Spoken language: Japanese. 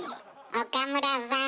「岡村さん！！」。